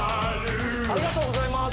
ありがとうございます。